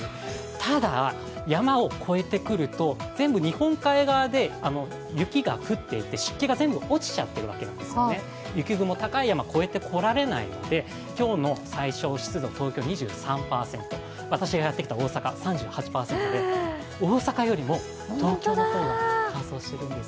ただ、山を越えてくると全部日本海側で雪が降っていて、湿気が全部落ちちゃっているわけなんです雪雲、高い山を越えてこられないので今日の最小湿度、東京は２３％、私がやってきた大阪３８％で、大阪よりも東京の方が乾燥しているんです。